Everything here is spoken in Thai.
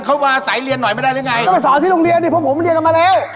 กันก็เรียนกันตรงนี้เลย